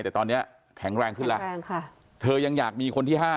แต่ตอนนี้แข็งแรงขึ้นแล้วเธอยังอยากมีคนที่ห้า